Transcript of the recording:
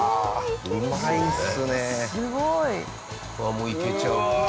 もういけちゃうんだ。